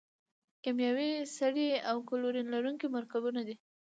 کیمیاوي سرې او کلورین لرونکي مرکبونه دي.